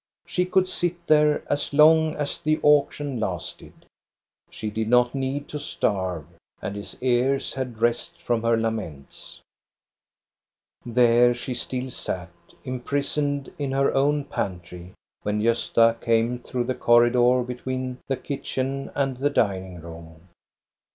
She could sit there as long as the auction lasted. She did not need to starve, and his ears had rest from her laments. There she still sat, imprisoned in her own pantry, when Gosta came through the corridor between the THE AUCTION AT BJORNE 147 kitchen and the dining room.